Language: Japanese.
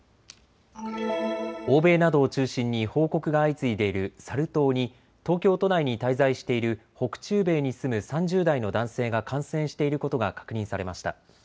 欧米などを中心に報告が相次いでいるサル痘に東京都内に滞在している北中米に住む３０代の男性が感染していることが確認されました。